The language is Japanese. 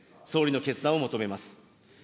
総理の決断を求めます。